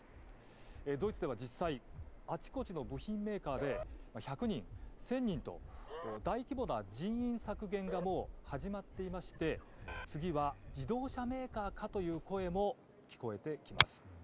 ドイツでは実際あちこちの部品メーカーで１００人、１０００人と大規模な人員削減がもう始まっていまして次は自動車メーカーかという声も聞こえてきます。